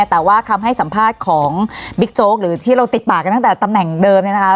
แต่ว่าคำให้สัมภาษณ์ของบิ๊กโจ๊กหรือที่เราติดปากกันตั้งแต่ตำแหน่งเดิมเนี่ยนะคะ